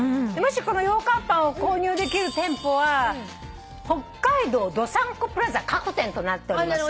このようかんパンを購入できる店舗は北海道どさんこプラザ各店となっております。